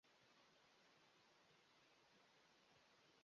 এরফলে হংকংয়ে দল প্রেরণের জন্য আমন্ত্রণ আসে।